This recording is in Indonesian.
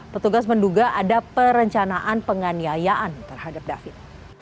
petugas menduga ada perencanaan penganiayaan terhadap david